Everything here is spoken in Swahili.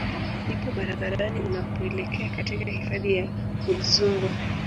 ipo barabarani unapoelekea katika hifadhi ya Udzungwa